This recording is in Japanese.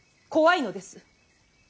怖いのです。